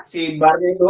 si bar nya itu